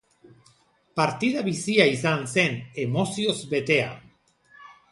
Partida bizia izan zen, emozioz betea.